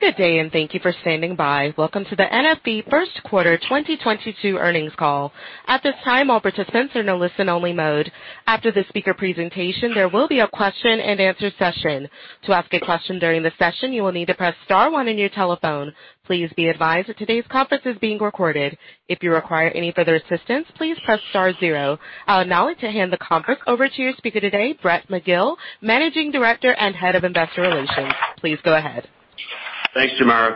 Good day, and thank you for standing by. Welcome to the NFE First Quarter 2022 earnings call. At this time, all participants are in a listen-only mode. After the speaker presentation, there will be a question-and-answer session. To ask a question during the session, you will need to press star one in your telephone. Please be advised that today's conference is being recorded. If you require any further assistance, please press star zero. I'll now like to hand the conference over to your speaker today, Brett McGill, Managing Director and Head of Investor Relations. Please go ahead. Thanks, Tamara.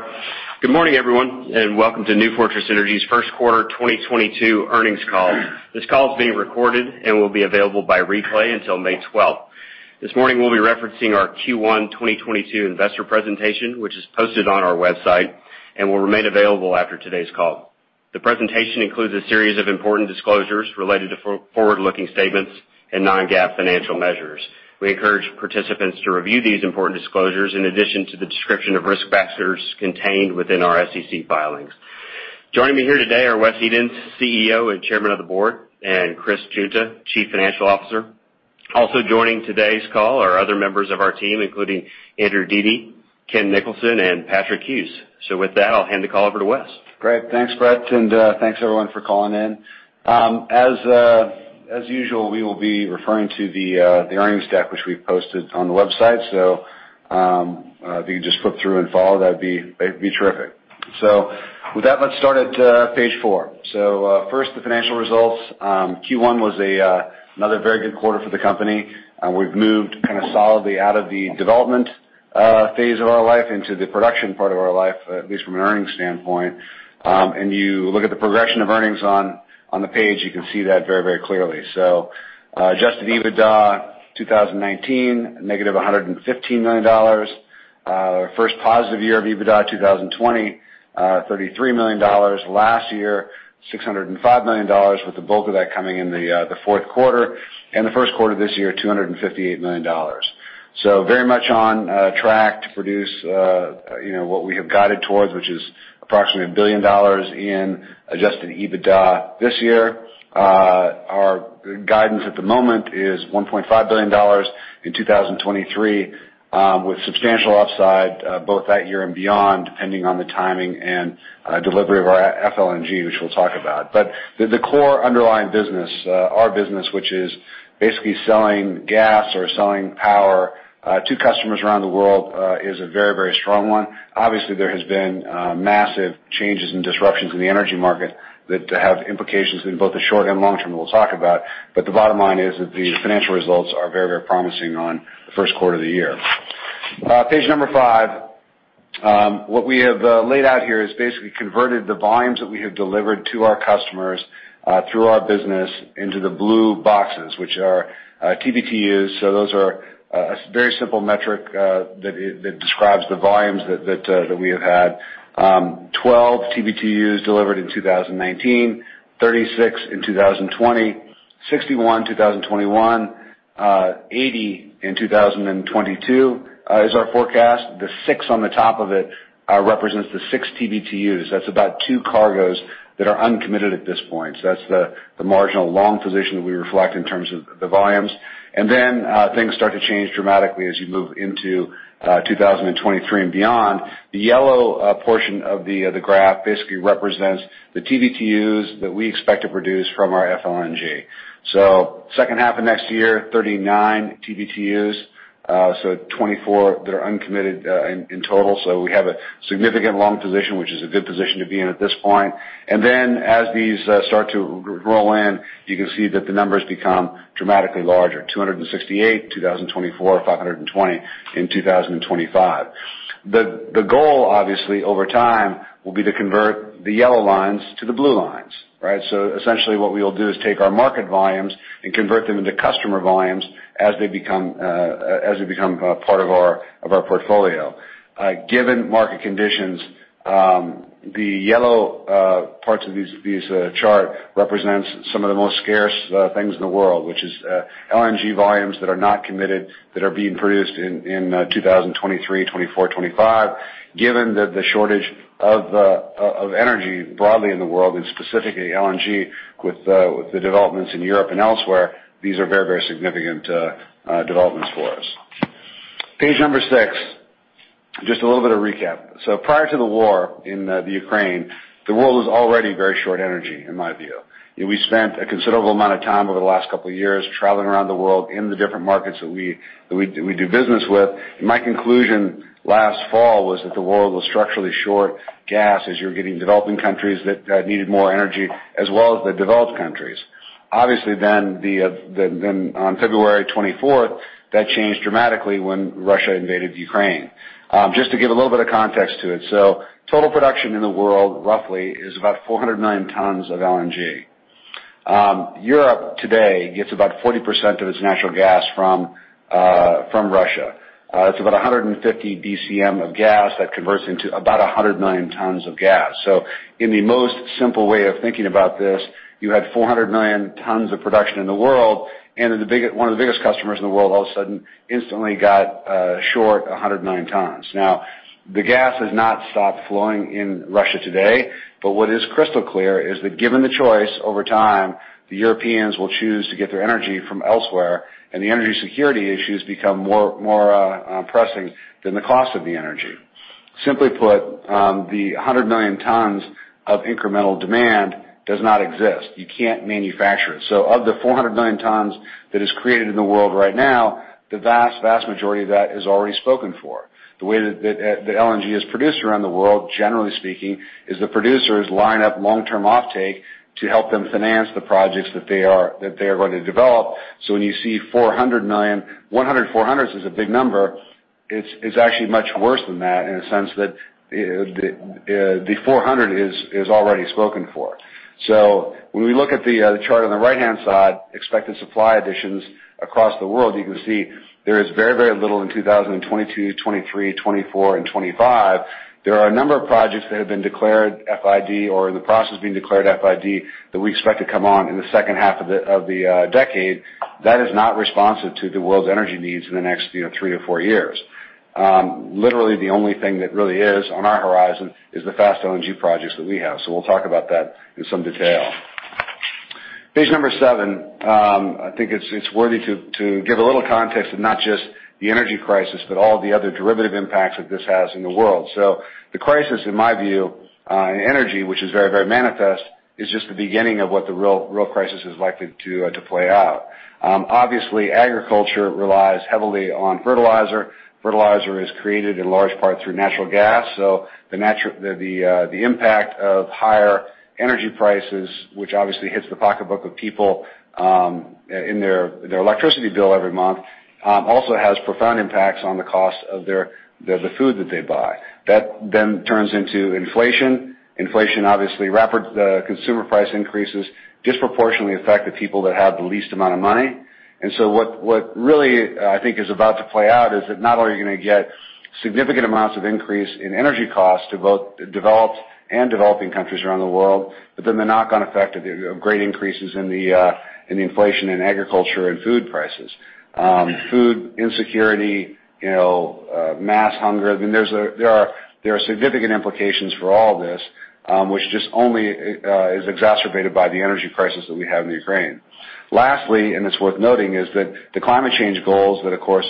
Good morning, everyone, and welcome to New Fortress Energy's First Quarter 2022 earnings call. This call is being recorded and will be available by replay until May 12th. This morning, we'll be referencing our Q1 2022 investor presentation, which is posted on our website and will remain available after today's call. The presentation includes a series of important disclosures related to forward-looking statements and non-GAAP financial measures. We encourage participants to review these important disclosures in addition to the description of risk factors contained within our SEC filings. Joining me here today are Wes Edens, CEO and Chairman of the Board, and Chris Guinta, Chief Financial Officer. Also joining today's call are other members of our team, including Andrew Dete, Ken Nicholson, and Patrick Hughes. So with that, I'll hand the call over to Wes. Great. Thanks, Brett, and thanks, everyone, for calling in. As usual, we will be referring to the earnings deck, which we've posted on the website. So if you could just flip through and follow, that would be terrific. So with that, let's start at page four. So first, the financial results. Q1 was another very good quarter for the company. We've moved kind of solidly out of the development phase of our life into the production part of our life, at least from an earnings standpoint. And you look at the progression of earnings on the page, you can see that very, very clearly. So Adjusted EBITDA 2019, negative $115 million. Our first positive year of EBITDA 2020, $33 million. Last year, $605 million, with the bulk of that coming in the fourth quarter. And the first quarter of this year, $258 million. So very much on track to produce what we have guided towards, which is approximately $1 billion in Adjusted EBITDA this year. Our guidance at the moment is $1.5 billion in 2023, with substantial upside both that year and beyond, depending on the timing and delivery of our FLNG, which we'll talk about. But the core underlying business, our business, which is basically selling gas or selling power to customers around the world, is a very, very strong one. Obviously, there have been massive changes and disruptions in the energy market that have implications in both the short and long term, we'll talk about. But the bottom line is that the financial results are very, very promising on the first quarter of the year. Page number five, what we have laid out here is basically converted the volumes that we have delivered to our customers through our business into the blue boxes, which are TBTUs. So those are a very simple metric that describes the volumes that we have had: 12 TBTUs delivered in 2019, 36 in 2020, 61 in 2021, 80 in 2022 is our forecast. The six on the top of it represents the six TBTUs. That's about two cargoes that are uncommitted at this point. So that's the marginal long position that we reflect in terms of the volumes. And then things start to change dramatically as you move into 2023 and beyond. The yellow portion of the graph basically represents the TBTUs that we expect to produce from our FLNG. So second half of next year, 39 TBTUs, so 24 that are uncommitted in total. So we have a significant long position, which is a good position to be in at this point. And then as these start to roll in, you can see that the numbers become dramatically larger: 268 in 2024, 520 in 2025. The goal, obviously, over time will be to convert the yellow lines to the blue lines, right? So essentially, what we will do is take our market volumes and convert them into customer volumes as they become part of our portfolio. Given market conditions, the yellow parts of this chart represent some of the most scarce things in the world, which is LNG volumes that are not committed, that are being produced in 2023, 2024, 2025. Given the shortage of energy broadly in the world, and specifically LNG with the developments in Europe and elsewhere, these are very, very significant developments for us. Page number six, just a little bit of recap. So prior to the war in Ukraine, the world was already very short energy, in my view. We spent a considerable amount of time over the last couple of years traveling around the world in the different markets that we do business with. My conclusion last fall was that the world was structurally short gas as you're getting developing countries that needed more energy as well as the developed countries. Obviously, then on February 24th, that changed dramatically when Russia invaded Ukraine. Just to give a little bit of context to it, so total production in the world roughly is about 400 million tons of LNG. Europe today gets about 40% of its natural gas from Russia. It's about 150 BCM of gas that converts into about 100 million tons of gas. So in the most simple way of thinking about this, you had 400 million tons of production in the world, and one of the biggest customers in the world all of a sudden instantly got short 100 million tons. Now, the gas has not stopped flowing in Russia today, but what is crystal clear is that given the choice over time, the Europeans will choose to get their energy from elsewhere, and the energy security issues become more pressing than the cost of the energy. Simply put, the 100 million tons of incremental demand does not exist. You can't manufacture it. So of the 400 million tons that is created in the world right now, the vast, vast majority of that is already spoken for. The way that LNG is produced around the world, generally speaking, is the producers line up long-term offtake to help them finance the projects that they are going to develop. So when you see 400 million, 100 400s is a big number. It's actually much worse than that in the sense that the 400 is already spoken for. So when we look at the chart on the right-hand side, expected supply additions across the world, you can see there is very, very little in 2022, 2023, 2024, and 2025. There are a number of projects that have been declared FID or in the process of being declared FID that we expect to come on in the second half of the decade that is not responsive to the world's energy needs in the next three to four years. Literally, the only thing that really is on our horizon is the Fast LNG projects that we have. So we'll talk about that in some detail. Page number seven, I think it's worth it to give a little context of not just the energy crisis, but all the other derivative impacts that this has in the world. So the crisis, in my view, in energy, which is very, very manifest, is just the beginning of what the real crisis is likely to play out. Obviously, agriculture relies heavily on fertilizer. Fertilizer is created in large part through natural gas. So the impact of higher energy prices, which obviously hits the pocketbook of people in their electricity bill every month, also has profound impacts on the cost of the food that they buy. That then turns into inflation. Inflation, obviously, rapid consumer price increases disproportionately affect the people that have the least amount of money. And so what really I think is about to play out is that not only are you going to get significant amounts of increase in energy costs to both developed and developing countries around the world, but then the knock-on effect of great increases in the inflation in agriculture and food prices. Food insecurity, mass hunger, I mean, there are significant implications for all of this, which just only is exacerbated by the energy crisis that we have in Ukraine. Lastly, and it's worth noting, is that the climate change goals that, of course,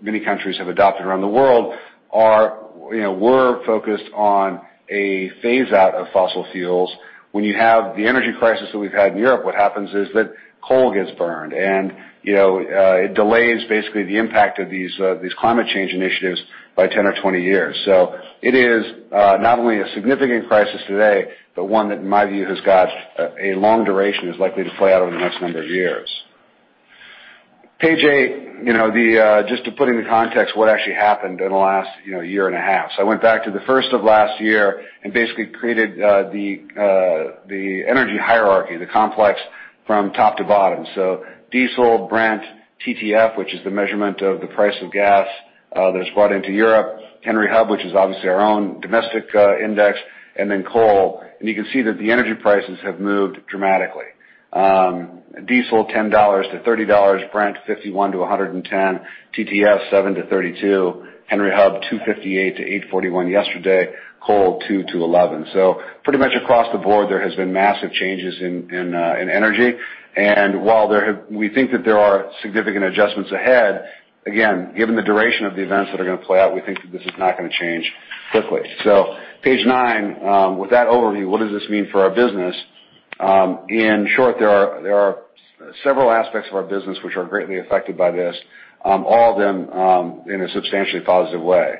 many countries have adopted around the world were focused on a phase-out of fossil fuels. When you have the energy crisis that we've had in Europe, what happens is that coal gets burned, and it delays basically the impact of these climate change initiatives by 10 or 20 years. So it is not only a significant crisis today, but one that, in my view, has got a long duration and is likely to play out over the next number of years. Page eight, just to put in the context what actually happened in the last year and a half. So I went back to the first of last year and basically created the energy hierarchy, the complex from top to bottom. So diesel, Brent, TTF, which is the measurement of the price of gas that is brought into Europe, Henry Hub, which is obviously our own domestic index, and then coal. And you can see that the energy prices have moved dramatically. Diesel, $10-$30, Brent, $51-$110, TTF, $7-$32, Henry Hub, $2.58-$8.41 yesterday, coal, $2-$11. So pretty much across the board, there have been massive changes in energy. And while we think that there are significant adjustments ahead, again, given the duration of the events that are going to play out, we think that this is not going to change quickly. So page nine, with that overview, what does this mean for our business? In short, there are several aspects of our business which are greatly affected by this, all of them in a substantially positive way.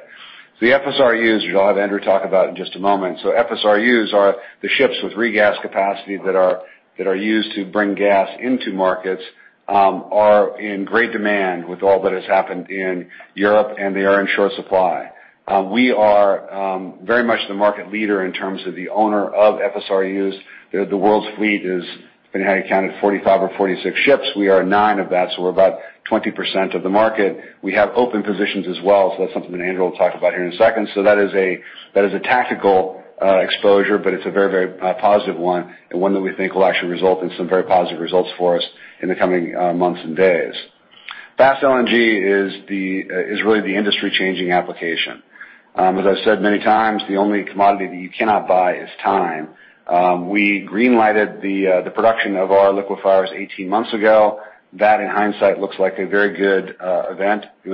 The FSRUs, which I'll have Andrew talk about in just a moment. So FSRUs are the ships with regas capacity that are used to bring gas into markets, are in great demand with all that has happened in Europe, and they are in short supply. We are very much the market leader in terms of the owner of FSRUs. The world's fleet is, if anything, counted 45 or 46 ships. We are nine of that, so we're about 20% of the market. We have open positions as well, so that's something that Andrew will talk about here in a second. So that is a tactical exposure, but it's a very, very positive one and one that we think will actually result in some very positive results for us in the coming months and days. Fast LNG is really the industry-changing application. As I've said many times, the only commodity that you cannot buy is time. We greenlighted the production of our liquefiers 18 months ago. That, in hindsight, looks like a very good event. It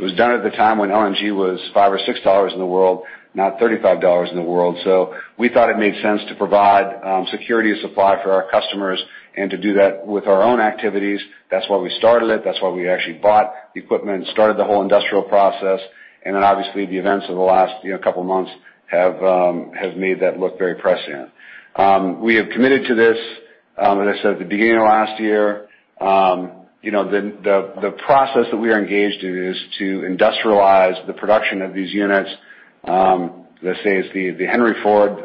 was done at a time when LNG was $5 or $6 in the world, now $35 in the world. So we thought it made sense to provide security of supply for our customers and to do that with our own activities. That's why we started it. That's why we actually bought the equipment, started the whole industrial process. And then, obviously, the events of the last couple of months have made that look very pressing. We have committed to this, as I said, at the beginning of last year. The process that we are engaged in is to industrialize the production of these units. Let's say it's the Henry Ford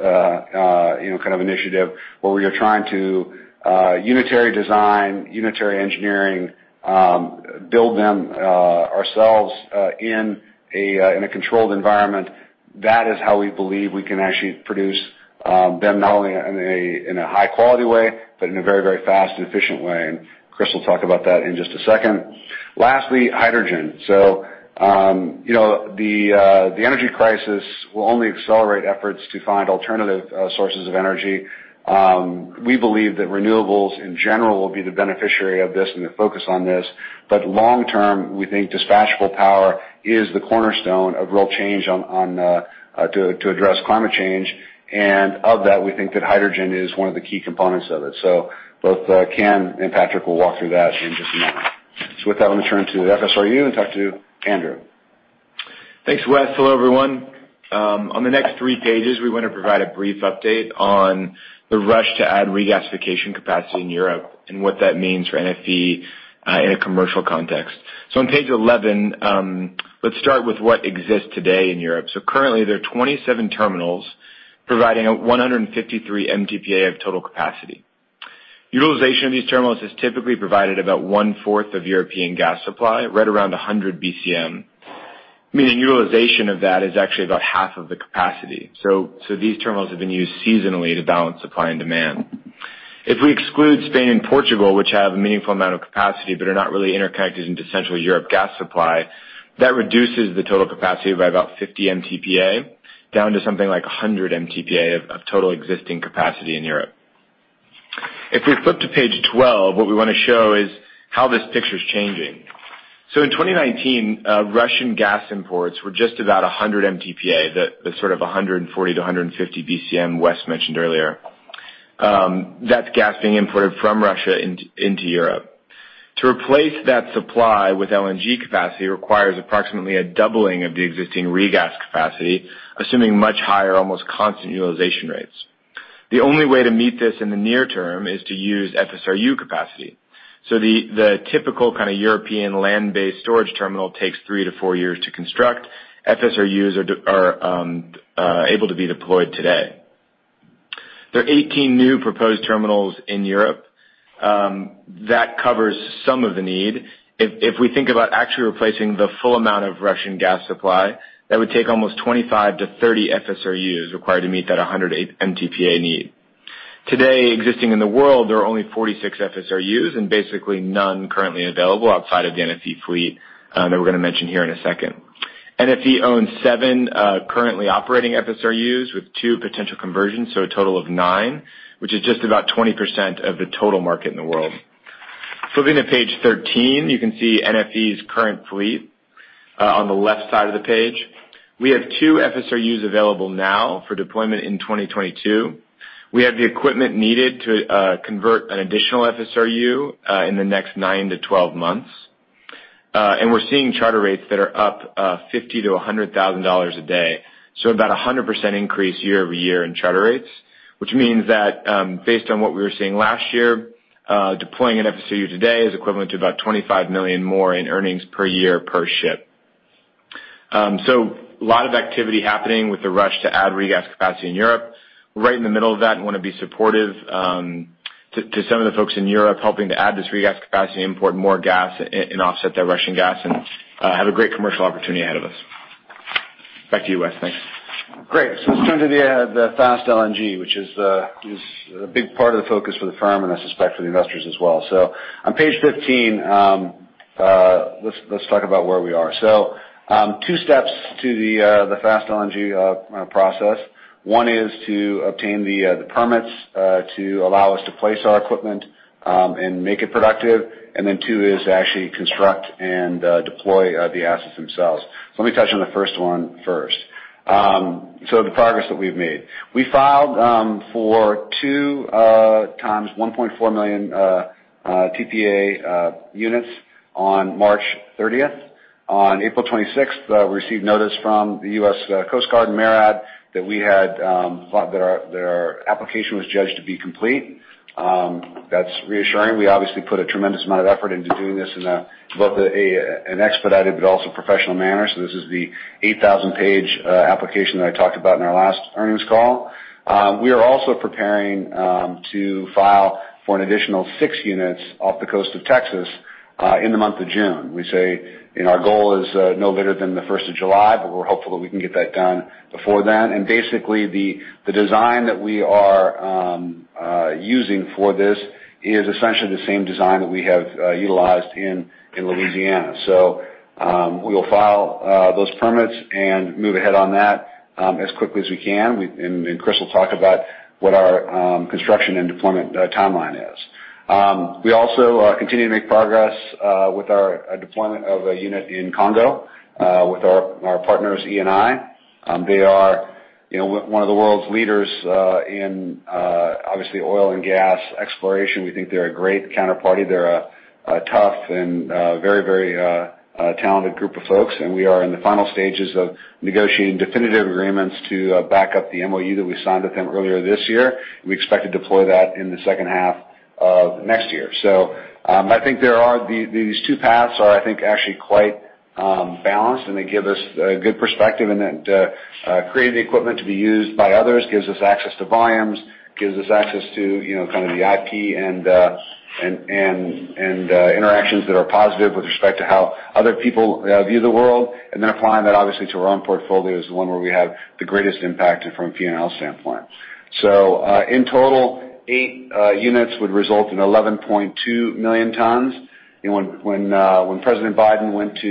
kind of initiative where we are trying to unitary design, unitary engineering, build them ourselves in a controlled environment. That is how we believe we can actually produce them not only in a high-quality way, but in a very, very fast and efficient way. And Crystal will talk about that in just a second. Lastly, hydrogen. So the energy crisis will only accelerate efforts to find alternative sources of energy. We believe that renewables in general will be the beneficiary of this and the focus on this. But long term, we think dispatchable power is the cornerstone of real change to address climate change. And of that, we think that hydrogen is one of the key components of it. So both Ken and Patrick will walk through that in just a moment. So with that, I'm going to turn to FSRU and talk to Andrew. Thanks, Wes. Hello, everyone. On the next three pages, we want to provide a brief update on the rush to add regasification capacity in Europe and what that means for NFE in a commercial context. On page 11, let's start with what exists today in Europe. Currently, there are 27 terminals providing 153 MTPA of total capacity. Utilization of these terminals has typically provided about one-fourth of European gas supply, right around 100 BCM, meaning utilization of that is actually about half of the capacity. These terminals have been used seasonally to balance supply and demand. If we exclude Spain and Portugal, which have a meaningful amount of capacity but are not really interconnected into Central Europe gas supply, that reduces the total capacity by about 50 MTPA down to something like 100 MTPA of total existing capacity in Europe. If we flip to page 12, what we want to show is how this picture is changing. So in 2019, Russian gas imports were just about 100 MTPA, the sort of 140 to 150 BCM Wes mentioned earlier. That's gas being imported from Russia into Europe. To replace that supply with LNG capacity requires approximately a doubling of the existing regas capacity, assuming much higher, almost constant utilization rates. The only way to meet this in the near term is to use FSRU capacity. So the typical kind of European land-based storage terminal takes three to four years to construct. FSRUs are able to be deployed today. There are 18 new proposed terminals in Europe. That covers some of the need. If we think about actually replacing the full amount of Russian gas supply, that would take almost 25 to 30 FSRUs required to meet that 100 MTPA need. Today, existing in the world, there are only 46 FSRUs and basically none currently available outside of the NFE fleet that we're going to mention here in a second. NFE owns seven currently operating FSRUs with two potential conversions, so a total of nine, which is just about 20% of the total market in the world. Flipping to page 13, you can see NFE's current fleet on the left side of the page. We have two FSRUs available now for deployment in 2022. We have the equipment needed to convert an additional FSRU in the next 9 to 12 months, and we're seeing charter rates that are up $50,000-$100,000 a day. So about a 100% increase year over year in charter rates, which means that based on what we were seeing last year, deploying an FSRU today is equivalent to about $25 million more in earnings per year per ship. So a lot of activity happening with the rush to add regas capacity in Europe. Right in the middle of that, I want to be supportive to some of the folks in Europe helping to add this regas capacity and import more gas and offset that Russian gas and have a great commercial opportunity ahead of us. Back to you, Wes. Thanks. Great. So let's turn to the Fast LNG, which is a big part of the focus for the firm and I suspect for the investors as well. So on page 15, let's talk about where we are. So two steps to the Fast LNG process. One is to obtain the permits to allow us to place our equipment and make it productive. And then two is to actually construct and deploy the assets themselves. So let me touch on the first one first. So the progress that we've made. We filed for two times 1.4 million TPA units on March 30th. On April 26th, we received notice from the U.S. Coast Guard and MARAD that our application was judged to be complete. That's reassuring. We obviously put a tremendous amount of effort into doing this in both an expedited but also professional manner. So this is the 8,000-page application that I talked about in our last earnings call. We are also preparing to file for an additional six units off the coast of Texas in the month of June. We say our goal is no later than the 1st of July, but we're hopeful that we can get that done before then, and basically, the design that we are using for this is essentially the same design that we have utilized in Louisiana, so we will file those permits and move ahead on that as quickly as we can, and Crystal will talk about what our construction and deployment timeline is. We also continue to make progress with our deployment of a unit in Congo with our partners, Eni. They are one of the world's leaders in, obviously, oil and gas exploration. We think they're a great counterparty. They're a tough and very, very talented group of folks, and we are in the final stages of negotiating definitive agreements to back up the MoU that we signed with them earlier this year. We expect to deploy that in the second half of next year. So I think these two paths are, I think, actually quite balanced, and they give us a good perspective in that creating the equipment to be used by others gives us access to volumes, gives us access to kind of the IP and interactions that are positive with respect to how other people view the world. And then applying that, obviously, to our own portfolio is the one where we have the greatest impact from a P&L standpoint. So in total, eight units would result in 11.2 million tons. And when President Biden went to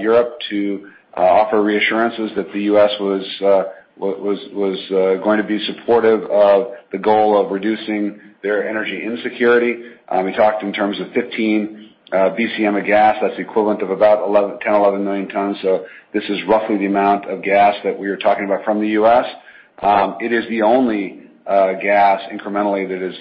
Europe to offer reassurances that the U.S. was going to be supportive of the goal of reducing their energy insecurity, we talked in terms of 15 BCM of gas. That's the equivalent of about 10-11 million tons. So this is roughly the amount of gas that we are talking about from the U.S. It is the only gas incrementally that is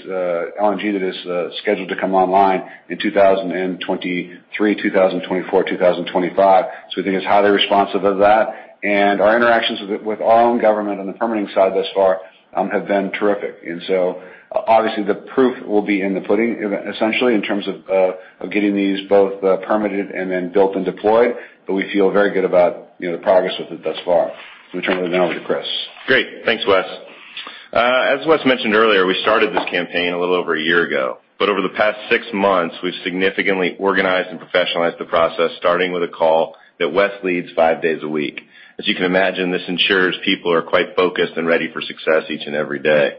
LNG that is scheduled to come online in 2023, 2024, 2025. So we think it's highly responsive of that. And our interactions with our own government on the permitting side thus far have been terrific. And so, obviously, the proof will be in the pudding, essentially, in terms of getting these both permitted and then built and deployed. But we feel very good about the progress with it thus far. So we turn it over to Crystal. Great. Thanks, Wes. As Wes mentioned earlier, we started this campaign a little over a year ago. But over the past six months, we've significantly organized and professionalized the process, starting with a call that Wes leads five days a week. As you can imagine, this ensures people are quite focused and ready for success each and every day.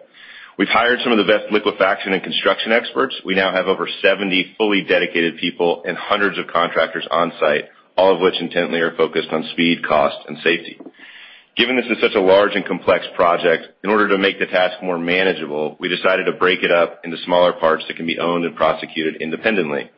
We've hired some of the best liquefaction and construction experts. We now have over 70 fully dedicated people and hundreds of contractors on site, all of which intently are focused on speed, cost, and safety. Given this is such a large and complex project, in order to make the task more manageable, we decided to break it up into smaller parts that can be owned and prosecuted independently.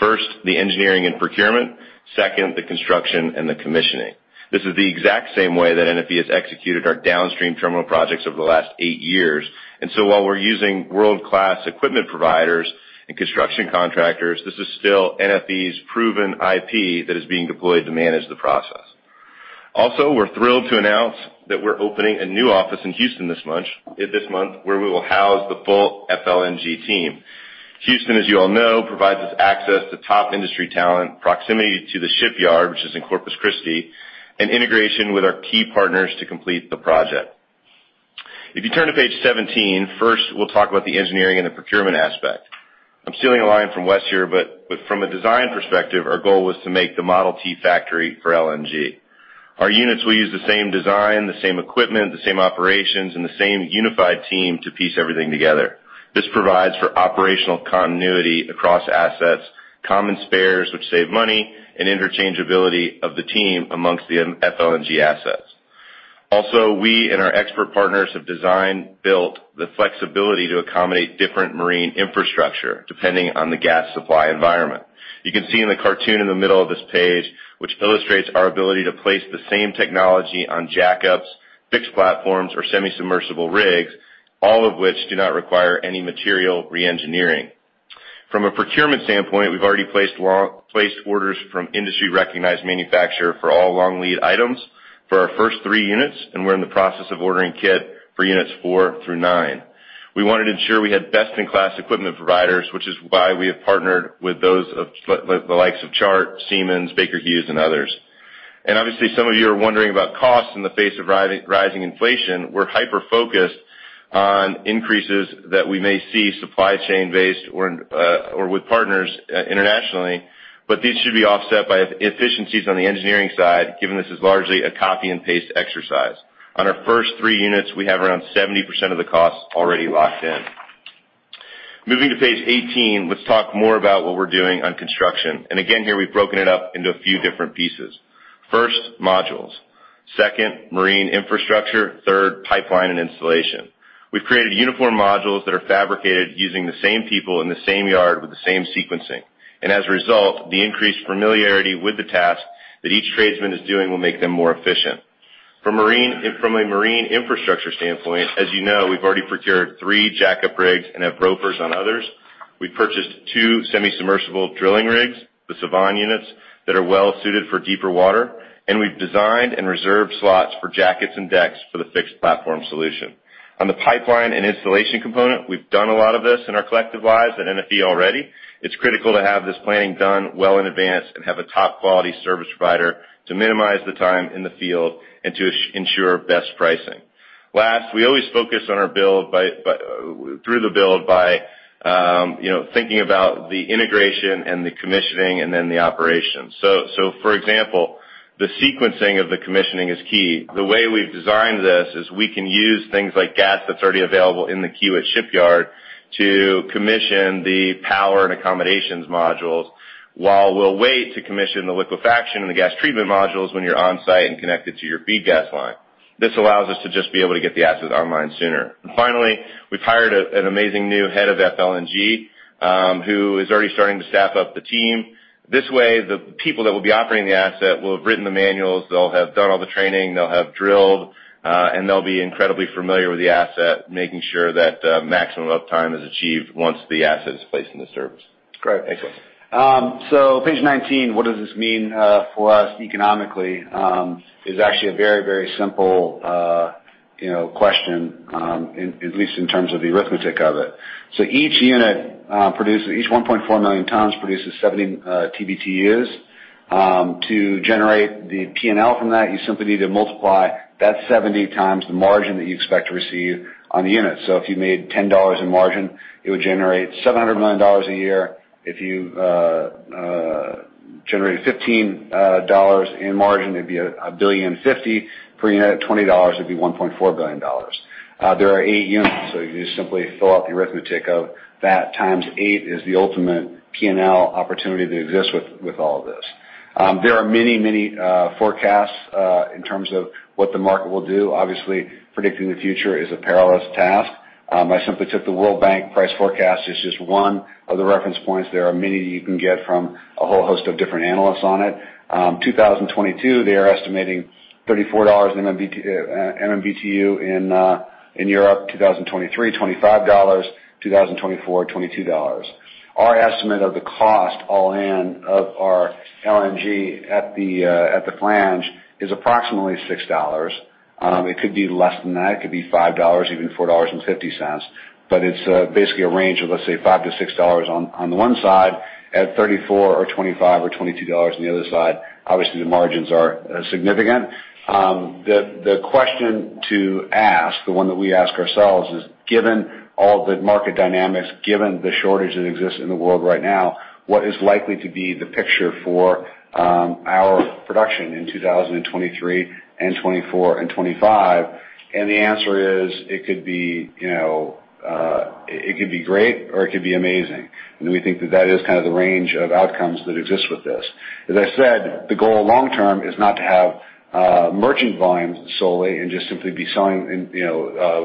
First, the engineering and procurement. Second, the construction and the commissioning. This is the exact same way that NFE has executed our downstream terminal projects over the last eight years, and so while we're using world-class equipment providers and construction contractors, this is still NFE's proven IP that is being deployed to manage the process. Also, we're thrilled to announce that we're opening a new office in Houston this month where we will house the full FLNG team. Houston, as you all know, provides us access to top industry talent, proximity to the shipyard, which is in Corpus Christi, and integration with our key partners to complete the project. If you turn to page 17, first, we'll talk about the engineering and the procurement aspect. I'm stealing a line from Wes here, but from a design perspective, our goal was to make the Model T factory for LNG. Our units will use the same design, the same equipment, the same operations, and the same unified team to piece everything together. This provides for operational continuity across assets, common spares, which save money, and interchangeability of the team amongst the FLNG assets. Also, we and our expert partners have designed, built the flexibility to accommodate different marine infrastructure depending on the gas supply environment. You can see in the cartoon in the middle of this page, which illustrates our ability to place the same technology on jackups, fixed platforms, or semi-submersible rigs, all of which do not require any material re-engineering. From a procurement standpoint, we've already placed orders from industry-recognized manufacturers for all long lead items for our first three units, and we're in the process of ordering kit for units four through nine. We wanted to ensure we had best-in-class equipment providers, which is why we have partnered with those of the likes of Chart, Siemens, Baker Hughes, and others. And obviously, some of you are wondering about costs in the face of rising inflation. We're hyper-focused on increases that we may see supply chain-based or with partners internationally, but these should be offset by efficiencies on the engineering side, given this is largely a copy-and-paste exercise. On our first three units, we have around 70% of the costs already locked in. Moving to page 18, let's talk more about what we're doing on construction. And again, here, we've broken it up into a few different pieces. First, modules. Second, marine infrastructure. Third, pipeline and installation. We've created uniform modules that are fabricated using the same people in the same yard with the same sequencing. As a result, the increased familiarity with the task that each tradesman is doing will make them more efficient. From a marine infrastructure standpoint, as you know, we've already procured three jackup rigs and have options on others. We've purchased two semi-submersible drilling rigs, the Sevan units, that are well-suited for deeper water. And we've designed and reserved slots for jackets and decks for the fixed platform solution. On the pipeline and installation component, we've done a lot of this in our collective lives at NFE already. It's critical to have this planning done well in advance and have a top-quality service provider to minimize the time in the field and to ensure best pricing. Last, we always focus on our build through the build by thinking about the integration and the commissioning and then the operation. So for example, the sequencing of the commissioning is key. The way we've designed this is we can use things like gas that's already available in the queue at shipyard to commission the power and accommodations modules while we'll wait to commission the liquefaction and the gas treatment modules when you're on site and connected to your feed gas line. This allows us to just be able to get the asset online sooner. And finally, we've hired an amazing new head of FLNG who is already starting to staff up the team. This way, the people that will be operating the asset will have written the manuals. They'll have done all the training. They'll have drilled. And they'll be incredibly familiar with the asset, making sure that maximum uptime is achieved once the asset is placed into service. Great. Excellent. Page 19, what does this mean for us economically? It's actually a very, very simple question, at least in terms of the arithmetic of it. Each unit, each 1.4 million tons, produces 70 TBTUs. To generate the P&L from that, you simply need to multiply that 70 times the margin that you expect to receive on the unit. So if you made $10 in margin, it would generate $700 million a year. If you generated $15 in margin, it'd be $1.05 billion. For a unit at $20, it'd be $1.4 billion. There are eight units, so you just simply fill out the arithmetic of that times eight is the ultimate P&L opportunity that exists with all of this. There are many, many forecasts in terms of what the market will do. Obviously, predicting the future is a perilous task. I simply took the World Bank price forecast. It's just one of the reference points. There are many that you can get from a whole host of different analysts on it. 2022, they are estimating $34 MMBTU in Europe. 2023, $25. 2024, $22. Our estimate of the cost all in of our LNG at the flange is approximately $6. It could be less than that. It could be $5, even $4.50. But it's basically a range of, let's say, $5 to $6 on the one side at $34 or $25 or $22 on the other side. Obviously, the margins are significant. The question to ask, the one that we ask ourselves, is given all the market dynamics, given the shortage that exists in the world right now, what is likely to be the picture for our production in 2023 and 2024 and 2025? And the answer is, it could be great or it could be amazing. And we think that that is kind of the range of outcomes that exist with this. As I said, the goal long-term is not to have merchant volumes solely and just simply be selling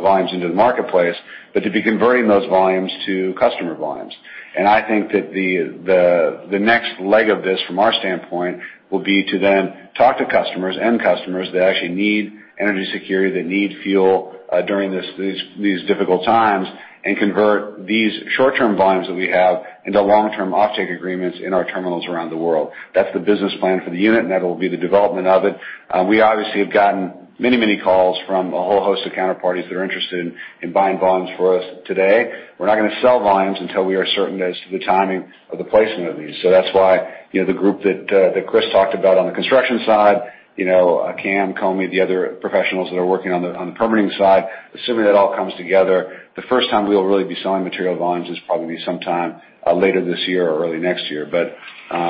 volumes into the marketplace, but to be converting those volumes to customer volumes. And I think that the next leg of this, from our standpoint, will be to then talk to customers and customers that actually need energy security, that need fuel during these difficult times, and convert these short-term volumes that we have into long-term offtake agreements in our terminals around the world. That's the business plan for the unit, and that will be the development of it. We obviously have gotten many, many calls from a whole host of counterparties that are interested in buying volumes for us today. We're not going to sell volumes until we are certain as to the timing of the placement of these. So that's why the group that Crystal talked about on the construction side, Cam, Cormac, the other professionals that are working on the permitting side, assuming that all comes together, the first time we'll really be selling material volumes is probably sometime later this year or early next year. But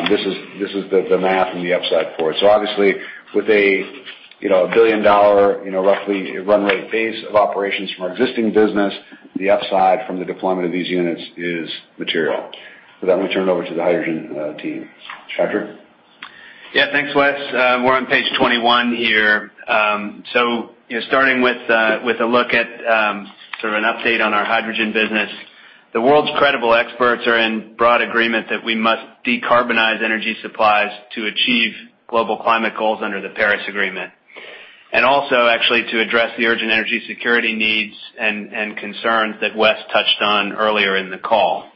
this is the math and the upside for it. So obviously, with a billion-dollar, roughly run rate base of operations from our existing business, the upside from the deployment of these units is material. With that, let me turn it over to the hydrogen team. Patrick? Yeah. Thanks, Wes. We're on page 21 here, so starting with a look at sort of an update on our hydrogen business, the world's credible experts are in broad agreement that we must decarbonize energy supplies to achieve global climate goals under the Paris Agreement, and also, actually, to address the urgent energy security needs and concerns that Wes touched on earlier in the call.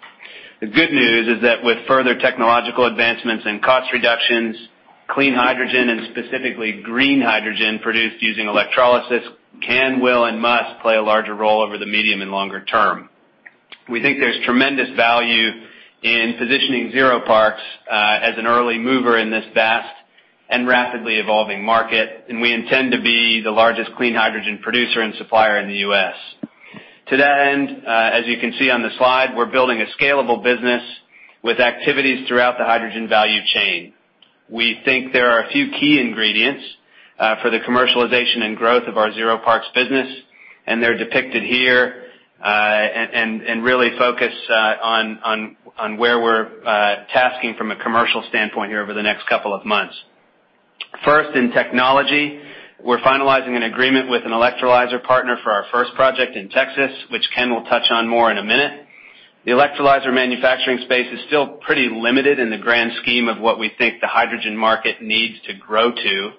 The good news is that with further technological advancements and cost reductions, clean hydrogen, and specifically green hydrogen produced using electrolysis can, will, and must play a larger role over the medium and longer term. We think there's tremendous value in positioning ZeroParks as an early mover in this vast and rapidly evolving market, and we intend to be the largest clean hydrogen producer and supplier in the U.S. To that end, as you can see on the slide, we're building a scalable business with activities throughout the hydrogen value chain. We think there are a few key ingredients for the commercialization and growth of our ZeroParks business, and they're depicted here, and really focus on where we're tasking from a commercial standpoint here over the next couple of months. First, in technology, we're finalizing an agreement with an electrolyzer partner for our first project in Texas, which Ken will touch on more in a minute. The electrolyzer manufacturing space is still pretty limited in the grand scheme of what we think the hydrogen market needs to grow to.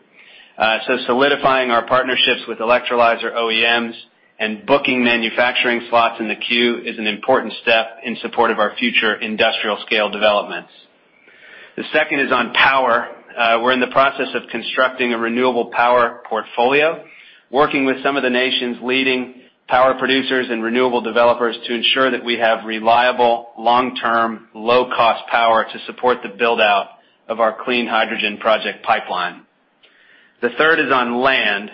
So solidifying our partnerships with electrolyzer OEMs and booking manufacturing slots in the queue is an important step in support of our future industrial-scale developments. The second is on power. We're in the process of constructing a renewable power portfolio, working with some of the nation's leading power producers and renewable developers to ensure that we have reliable, long-term, low-cost power to support the build-out of our clean hydrogen project pipeline. The third is on land.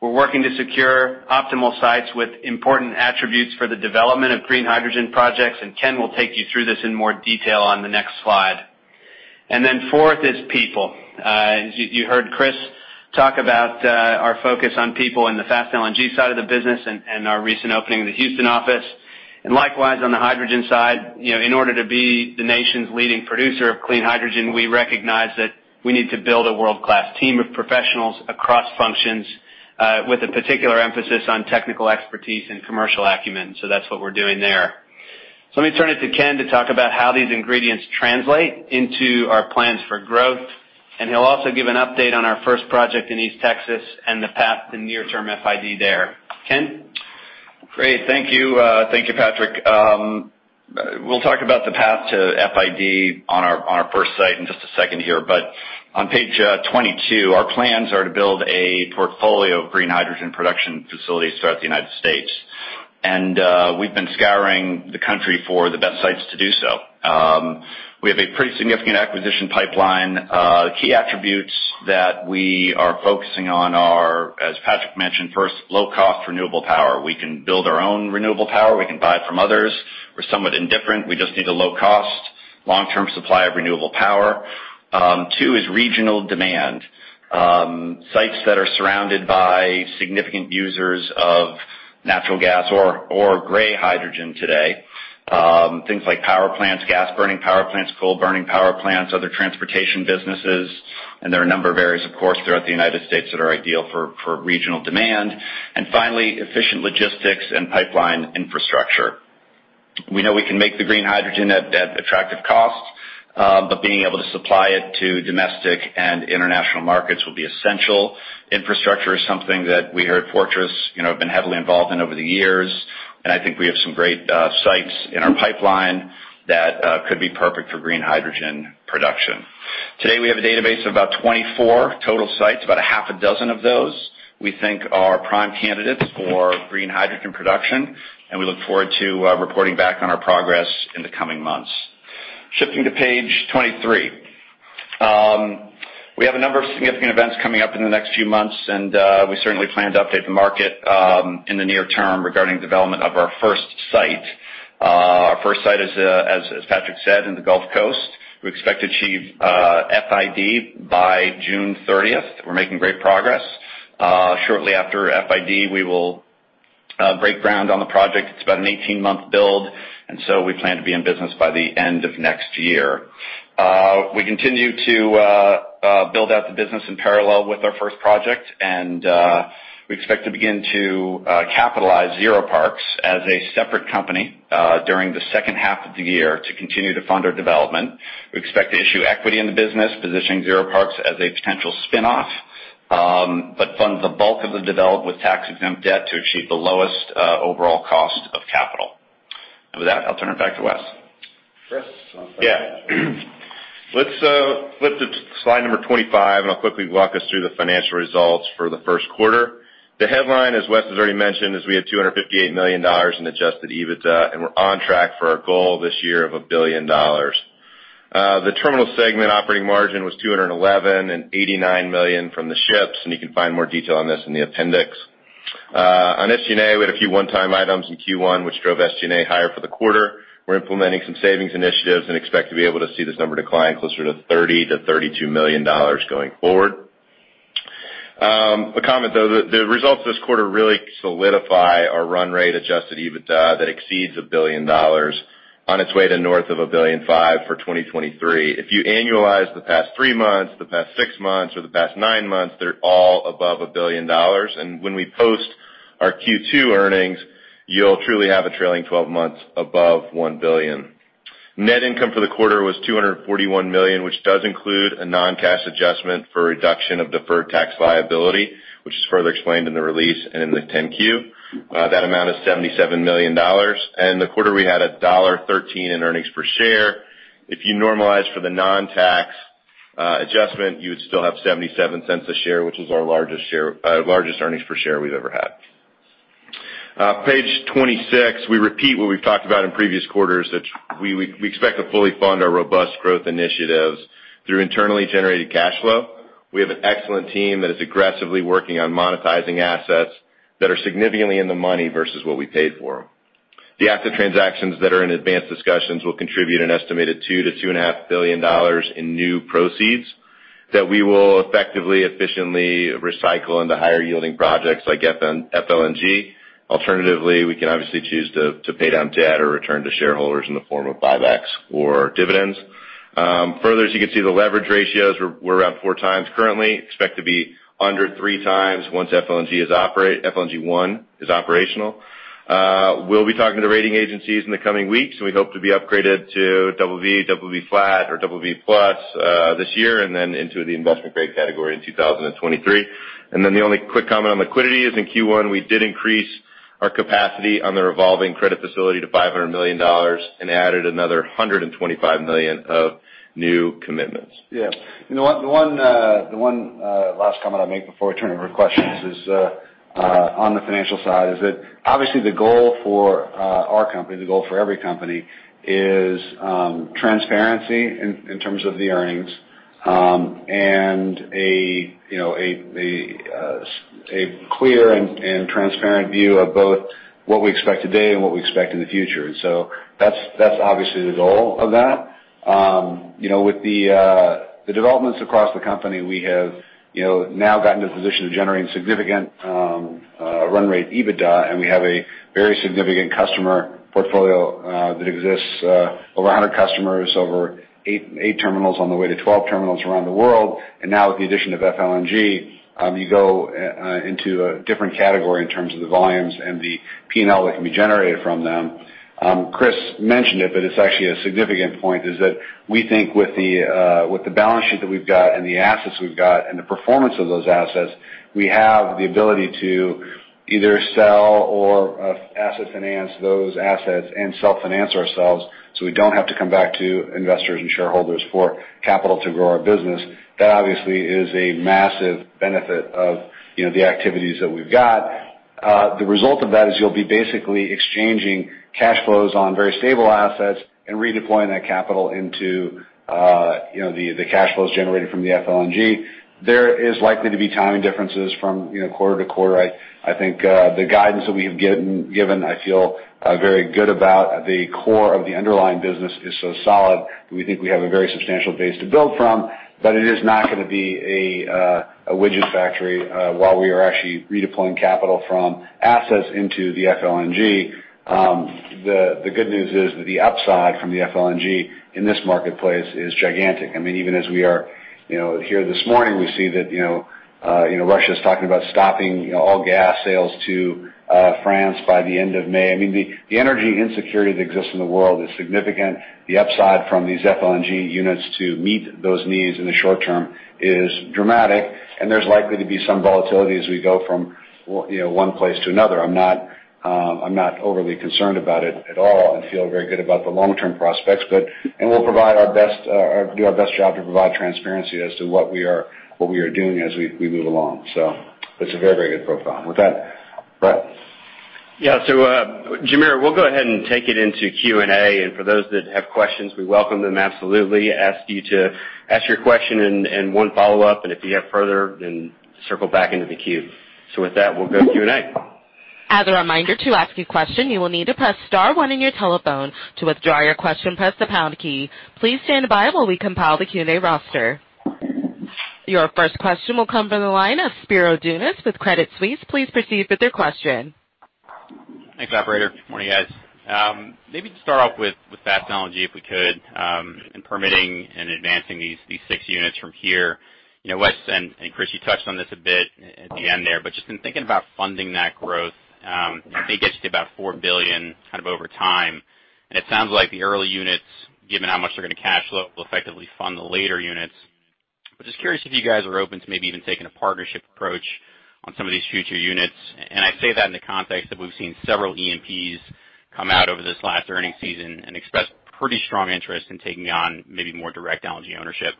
We're working to secure optimal sites with important attributes for the development of green hydrogen projects, and Ken will take you through this in more detail on the next slide. And then fourth is people. You heard Crystal talk about our focus on people in the Fast LNG side of the business and our recent opening of the Houston office. And likewise, on the hydrogen side, in order to be the nation's leading producer of clean hydrogen, we recognize that we need to build a world-class team of professionals across functions with a particular emphasis on technical expertise and commercial acumen. So that's what we're doing there. So let me turn it to Ken to talk about how these ingredients translate into our plans for growth. And he'll also give an update on our first project in East Texas and the path to near-term FID there. Ken? Great. Thank you. Thank you, Patrick. We'll talk about the path to FID on our first site in just a second here. But on page 22, our plans are to build a portfolio of green hydrogen production facilities throughout the United States. And we've been scouring the country for the best sites to do so. We have a pretty significant acquisition pipeline. Key attributes that we are focusing on are, as Patrick mentioned, first, low-cost renewable power. We can build our own renewable power. We can buy it from others. We're somewhat indifferent. We just need a low-cost, long-term supply of renewable power. Two is regional demand. Sites that are surrounded by significant users of natural gas or gray hydrogen today. Things like power plants, gas-burning power plants, coal-burning power plants, other transportation businesses. There are a number of areas, of course, throughout the United States that are ideal for regional demand. Finally, efficient logistics and pipeline infrastructure. We know we can make the green hydrogen at attractive costs, but being able to supply it to domestic and international markets will be essential. Infrastructure is something that we heard Fortress have been heavily involved in over the years. I think we have some great sites in our pipeline that could be perfect for green hydrogen production. Today, we have a database of about 24 total sites, about a half a dozen of those, we think are prime candidates for green hydrogen production. We look forward to reporting back on our progress in the coming months. Shifting to page 23. We have a number of significant events coming up in the next few months, and we certainly plan to update the market in the near term regarding development of our first site. Our first site is, as Patrick said, in the Gulf Coast. We expect to achieve FID by June 30th. We're making great progress. Shortly after FID, we will break ground on the project. It's about an 18-month build, and so we plan to be in business by the end of next year. We continue to build out the business in parallel with our first project, and we expect to begin to capitalize ZeroParks as a separate company during the second half of the year to continue to fund our development. We expect to issue equity in the business, positioning ZeroParks as a potential spinoff, but fund the bulk of the development with tax-exempt debt to achieve the lowest overall cost of capital, and with that, I'll turn it back to Wes. Chris. Yeah. Let's flip to slide number 25, and I'll quickly walk us through the financial results for the first quarter. The headline, as Wes has already mentioned, is we had $258 million in Adjusted EBITDA, and we're on track for our goal this year of a billion dollars. The terminal segment operating margin was $211 million and $89 million from the ships. And you can find more detail on this in the appendix. On SG&A, we had a few one-time items in Q1, which drove SG&A higher for the quarter. We're implementing some savings initiatives and expect to be able to see this number decline closer to $30-$32 million going forward. A comment, though, the results this quarter really solidify our run rate Adjusted EBITDA that exceeds a billion dollars on its way to north of $1.5 billion for 2023. If you annualize the past three months, the past six months, or the past nine months, they're all above $1 billion. And when we post our Q2 earnings, you'll truly have a trailing 12 months above $1 billion. Net income for the quarter was $241 million, which does include a non-cash adjustment for reduction of deferred tax liability, which is further explained in the release and in the 10-Q. That amount is $77 million. And the quarter, we had $1.13 in earnings per share. If you normalize for the non-tax adjustment, you would still have $0.77 a share, which is our largest earnings per share we've ever had. Page 26, we repeat what we've talked about in previous quarters. We expect to fully fund our robust growth initiatives through internally generated cash flow. We have an excellent team that is aggressively working on monetizing assets that are significantly in the money versus what we paid for. The asset transactions that are in advanced discussions will contribute an estimated $2-$2.5 billion in new proceeds that we will effectively, efficiently recycle into higher-yielding projects like FLNG. Alternatively, we can obviously choose to pay down debt or return to shareholders in the form of buybacks or dividends. Further, as you can see, the leverage ratios, we're around four times currently. Expect to be under three times once FLNG 1 is operational. We'll be talking to the rating agencies in the coming weeks. We hope to be upgraded to BB, BB Flat, or BB Plus this year, and then into the investment-grade category in 2023. And then the only quick comment on liquidity is in Q1, we did increase our capacity on the revolving credit facility to $500 million and added another $125 million of new commitments. Yeah. You know what? The one last comment I make before we turn it over to questions is on the financial side is that obviously the goal for our company, the goal for every company, is transparency in terms of the earnings and a clear and transparent view of both what we expect today and what we expect in the future. And so that's obviously the goal of that. With the developments across the company, we have now gotten to the position of generating significant run rate EBITDA, and we have a very significant customer portfolio that exists over 100 customers, over eight terminals on the way to 12 terminals around the world. And now, with the addition of FLNG, you go into a different category in terms of the volumes and the P&L that can be generated from them. Chris mentioned it, but it's actually a significant point is that we think with the balance sheet that we've got and the assets we've got and the performance of those assets, we have the ability to either sell or asset finance those assets and self-finance ourselves so we don't have to come back to investors and shareholders for capital to grow our business. That obviously is a massive benefit of the activities that we've got. The result of that is you'll be basically exchanging cash flows on very stable assets and redeploying that capital into the cash flows generated from the FLNG. There is likely to be timing differences from quarter to quarter. I think the guidance that we have given. I feel very good about. The core of the underlying business is so solid that we think we have a very substantial base to build from. It is not going to be a widget factory while we are actually redeploying capital from assets into the FLNG. The good news is that the upside from the FLNG in this marketplace is gigantic. I mean, even as we are here this morning, we see that Russia is talking about stopping all gas sales to France by the end of May. I mean, the energy insecurity that exists in the world is significant. The upside from these FLNG units to meet those needs in the short term is dramatic. And there's likely to be some volatility as we go from one place to another. I'm not overly concerned about it at all and feel very good about the long-term prospects. And we'll do our best to provide transparency as to what we are doing as we move along. So it's a very, very good profile. With that, Brett. Yeah. So, Tamara, we'll go ahead and take it into Q&A. And for those that have questions, we welcome them absolutely. Ask you to ask your question and one follow-up. And if you have further, then circle back into the queue. So with that, we'll go to Q&A. As a reminder to ask a question, you will need to press star one in your telephone. To withdraw your question, press the pound key. Please stand by while we compile the Q&A roster. Your first question will come from the line of Spiro Dounis with Credit Suisse. Please proceed with your question. Thanks, operator. Morning, guys. Maybe to start off with Fast LNG, if we could, and permitting and advancing these six units from here. Wes and Chris, you touched on this a bit at the end there. But just in thinking about funding that growth, I think it gets to about $4 billion kind of over time. And it sounds like the early units, given how much they're going to cash flow, will effectively fund the later units. But just curious if you guys are open to maybe even taking a partnership approach on some of these future units. And I say that in the context that we've seen several EMPs come out over this last earnings season and express pretty strong interest in taking on maybe more direct LNG ownership.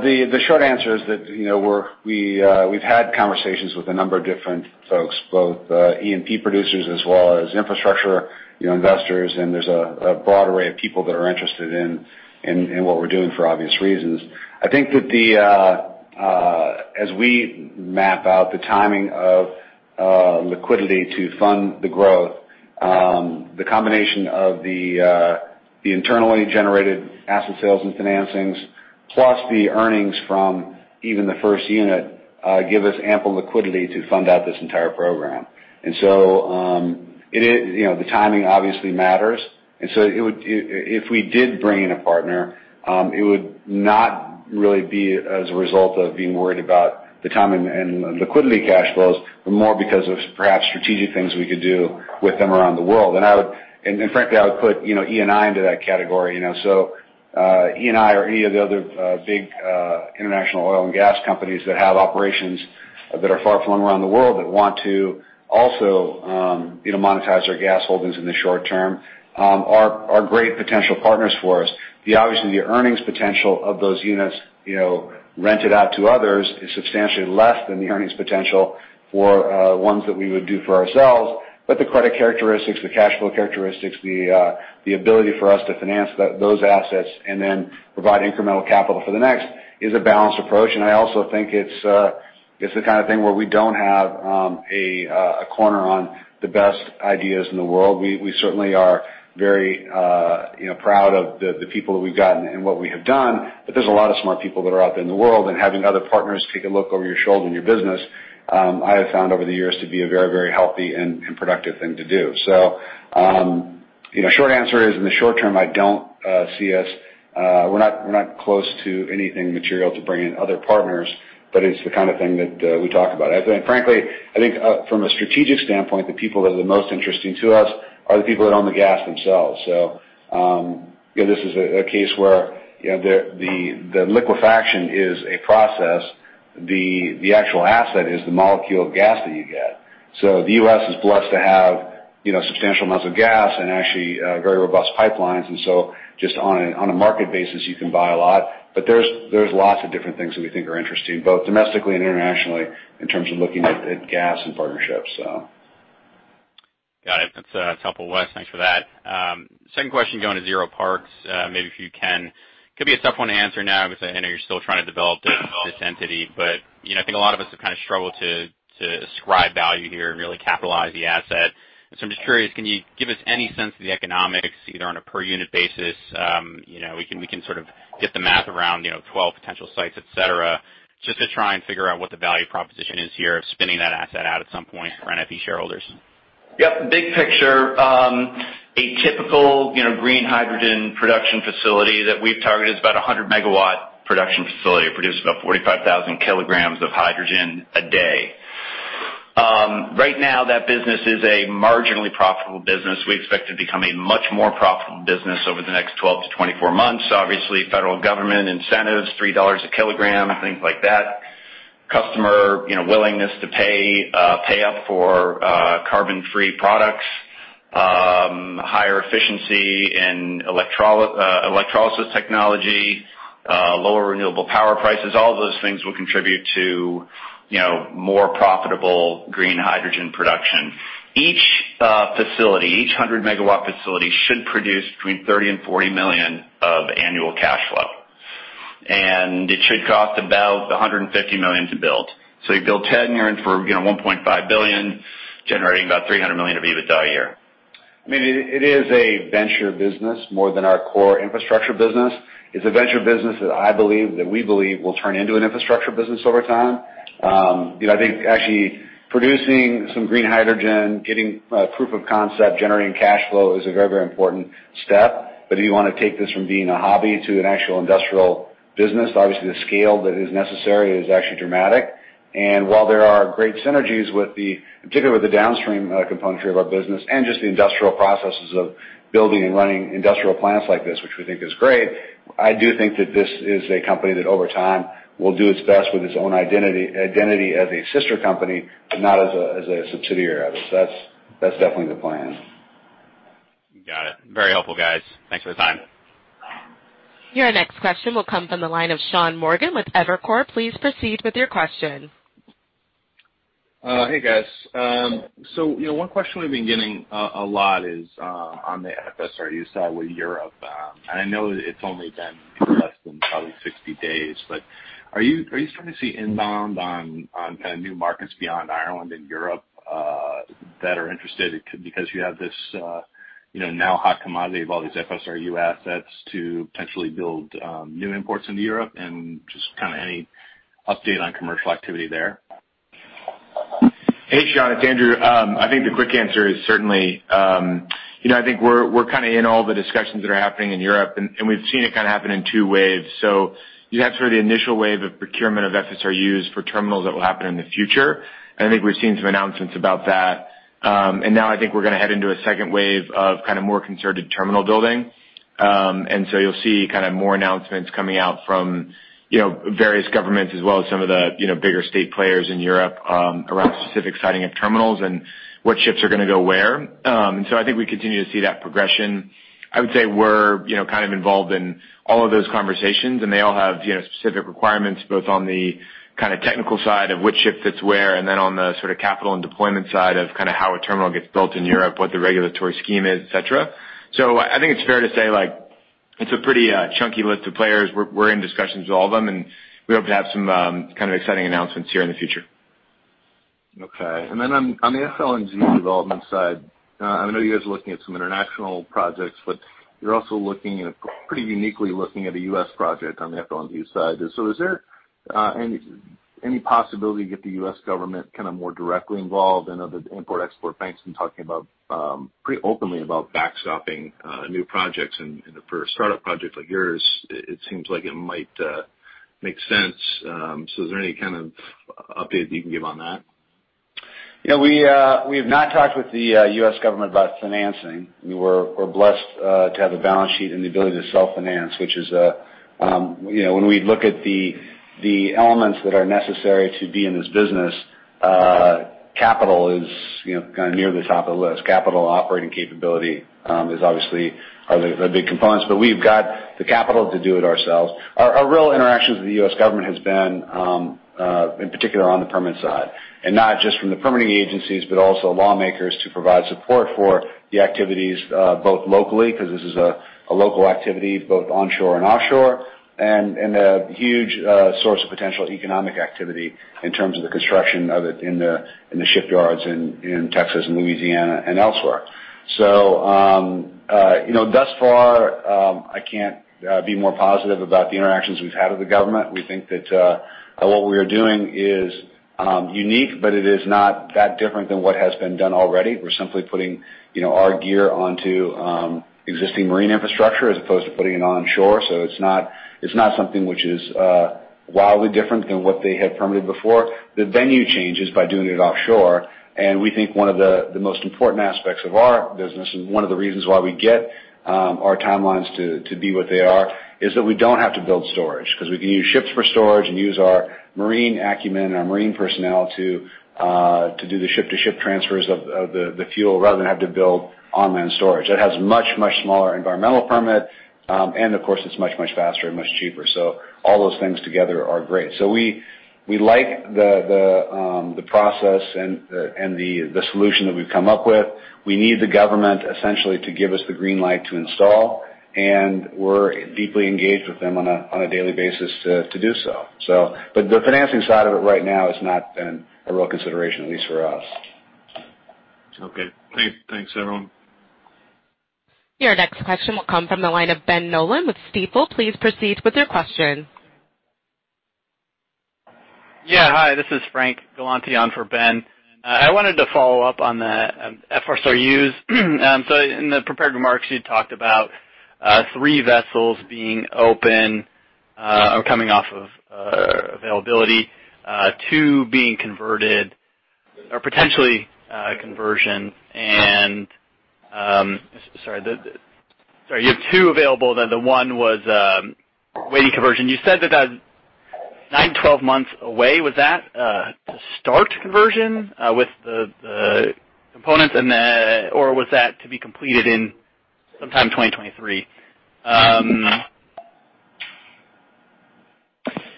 The short answer is that we've had conversations with a number of different folks, both E&P producers as well as infrastructure investors. There's a broad array of people that are interested in what we're doing for obvious reasons. I think that as we map out the timing of liquidity to fund the growth, the combination of the internally generated asset sales and financings, plus the earnings from even the first unit, give us ample liquidity to fund this entire program. The timing obviously matters. If we did bring in a partner, it would not really be as a result of being worried about the timing and liquidity cash flows, but more because of perhaps strategic things we could do with them around the world. Frankly, I would put Eni into that category. Eni or any of the other big international oil and gas companies that have operations from around the world that want to also monetize their gas holdings in the short term are great potential partners for us. Obviously, the earnings potential of those units rented out to others is substantially less than the earnings potential for ones that we would do for ourselves. The credit characteristics, the cash flow characteristics, the ability for us to finance those assets and then provide incremental capital for the next is a balanced approach. I also think it's the kind of thing where we don't have a corner on the best ideas in the world. We certainly are very proud of the people that we've gotten and what we have done. There's a lot of smart people that are out there in the world. And having other partners take a look over your shoulder in your business, I have found over the years to be a very, very healthy and productive thing to do. So short answer is, in the short term, I don't see us. We're not close to anything material to bring in other partners, but it's the kind of thing that we talk about. Frankly, I think from a strategic standpoint, the people that are the most interesting to us are the people that own the gas themselves. So this is a case where the liquefaction is a process. The actual asset is the molecule of gas that you get. So the U.S. is blessed to have substantial amounts of gas and actually very robust pipelines. And so just on a market basis, you can buy a lot. But there's lots of different things that we think are interesting, both domestically and internationally, in terms of looking at gas and partnerships. Got it. That's helpful, Wes. Thanks for that. Second question going to ZeroParks, maybe if you can. It could be a tough one to answer now because I know you're still trying to develop this entity. But I think a lot of us have kind of struggled to ascribe value here and really capitalize the asset. So I'm just curious, can you give us any sense of the economics either on a per-unit basis? We can sort of get the math around 12 potential sites, etc., just to try and figure out what the value proposition is here of spinning that asset out at some point for NFE shareholders. Yep. Big picture, a typical green hydrogen production facility that we've targeted is about a 100-megawatt production facility that produces about 45,000 kilograms of hydrogen a day. Right now, that business is a marginally profitable business. We expect it to become a much more profitable business over the next 12 to 24 months. Obviously, federal government incentives, $3 a kilogram, things like that. Customer willingness to pay up for carbon-free products, higher efficiency in electrolysis technology, lower renewable power prices. All of those things will contribute to more profitable green hydrogen production. Each facility, each 100-megawatt facility should produce between $30 million and $40 million of annual cash flow. And it should cost about $150 million to build. So you build 10, you're in for $1.5 billion, generating about $300 million of EBITDA a year. I mean, it is a venture business more than our core infrastructure business. It's a venture business that I believe that we believe will turn into an infrastructure business over time. I think actually producing some green hydrogen, getting proof of concept, generating cash flow is a very, very important step. But if you want to take this from being a hobby to an actual industrial business, obviously the scale that is necessary is actually dramatic, and while there are great synergies with the, particularly with the downstream component of our business and just the industrial processes of building and running industrial plants like this, which we think is great, I do think that this is a company that over time will do its best with its own identity as a sister company, not as a subsidiary of it, so that's definitely the plan. Got it. Very helpful, guys. Thanks for the time. Your next question will come from the line of Sean Morgan with Evercore. Please proceed with your question. Hey, guys. So one question we've been getting a lot is on the FSRU side with Europe, and I know it's only been less than probably 60 days, but are you starting to see inbound on kind of new markets beyond Ireland and Europe that are interested because you have this now hot commodity of all these FSRU assets to potentially build new imports into Europe and just kind of any update on commercial activity there? Hey, Sean. It's Andrew. I think the quick answer is certainly I think we're kind of in all the discussions that are happening in Europe. And we've seen it kind of happen in two waves. So you have sort of the initial wave of procurement of FSRUs for terminals that will happen in the future. And I think we've seen some announcements about that. And now I think we're going to head into a second wave of kind of more concerted terminal building. And so you'll see kind of more announcements coming out from various governments as well as some of the bigger state players in Europe around specific siting of terminals and what ships are going to go where. And so I think we continue to see that progression. I would say we're kind of involved in all of those conversations. And they all have specific requirements both on the kind of technical side of which ship fits where and then on the sort of capital and deployment side of kind of how a terminal gets built in Europe, what the regulatory scheme is, etc. So I think it's fair to say it's a pretty chunky list of players. We're in discussions with all of them. And we hope to have some kind of exciting announcements here in the future. Okay. And then on the FLNG development side, I know you guys are looking at some international projects, but you're also looking at pretty uniquely looking at a U.S. project on the FLNG side. So is there any possibility to get the U.S. government kind of more directly involved? I know that import-export banks have been talking pretty openly about backstopping new projects. And for a startup project like yours, it seems like it might make sense. So is there any kind of update that you can give on that? Yeah. We have not talked with the U.S. government about financing. We're blessed to have a balance sheet and the ability to self-finance, which is when we look at the elements that are necessary to be in this business, capital is kind of near the top of the list. Capital, operating capability is obviously the big components. But we've got the capital to do it ourselves. Our real interactions with the U.S. government have been, in particular, on the permit side. And not just from the permitting agencies, but also lawmakers to provide support for the activities both locally because this is a local activity both onshore and offshore and a huge source of potential economic activity in terms of the construction of it in the shipyards in Texas and Louisiana and elsewhere. So thus far, I can't be more positive about the interactions we've had with the government. We think that what we are doing is unique, but it is not that different than what has been done already. We're simply putting our gear onto existing marine infrastructure as opposed to putting it onshore, so it's not something which is wildly different than what they have permitted before. The venue changes by doing it offshore, and we think one of the most important aspects of our business and one of the reasons why we get our timelines to be what they are is that we don't have to build storage because we can use ships for storage and use our marine acumen and our marine personnel to do the ship-to-ship transfers of the fuel rather than have to build online storage. That has much, much smaller environmental permit, and of course, it's much, much faster and much cheaper, so all those things together are great. We like the process and the solution that we've come up with. We need the government essentially to give us the green light to install. And we're deeply engaged with them on a daily basis to do so. But the financing side of it right now has not been a real consideration, at least for us. Okay. Thanks, everyone. Your next question will come from the line of Ben Nolan with Stifel. Please proceed with your question. Yeah. Hi. This is Frank Galanti for Ben. I wanted to follow up on the FSRUs. So in the prepared remarks, you talked about three vessels being open or coming off of availability, two being converted or potentially conversion. And sorry, you have two available. The one was waiting conversion. You said that that's 9 to 12 months away, was that to start conversion with the components? Or was that to be completed in sometime in 2023?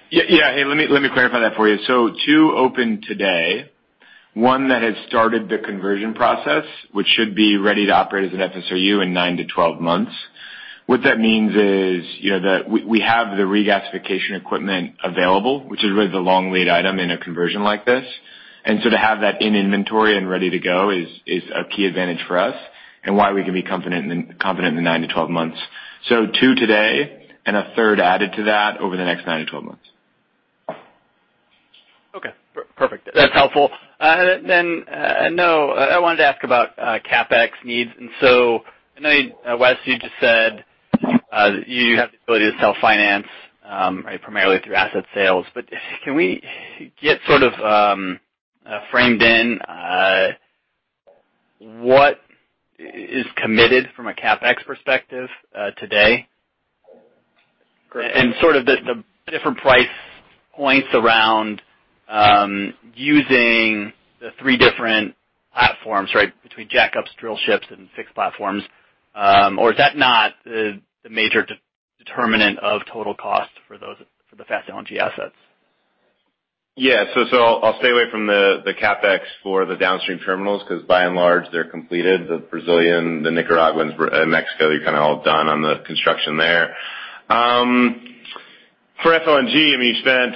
Yeah. Hey, let me clarify that for you. So, two open today, one that has started the conversion process, which should be ready to operate as an FSRU in nine to 12 months. What that means is that we have the regasification equipment available, which is really the long lead item in a conversion like this. And so to have that in inventory and ready to go is a key advantage for us and why we can be confident in the nine to 12 months. So, two today and a third added to that over the next nine to 12 months. Okay. Perfect. That's helpful. And then I wanted to ask about CapEx needs. And so I know, Wes, you just said you have the ability to self-finance primarily through asset sales. But can we get sort of framed in what is committed from a CapEx perspective today? And sort of the different price points around using the three different platforms, right, between jackups, drillships, and fixed platforms. Or is that not the major determinant of total cost for the Fast LNG assets? Yeah. So I'll stay away from the CapEx for the downstream terminals because by and large, they're completed. The Brazilian, the Nicaraguan, and Mexico, you're kind of all done on the construction there. For FLNG, I mean, you spent